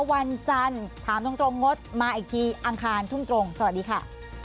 วันจันทร์ถามตรงงดมาอีกทีอังคารทุ่มตรงสวัสดีค่ะ